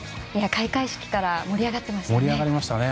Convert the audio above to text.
開会式から盛り上がってましたね。